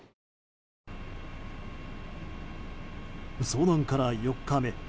遭難から４日目。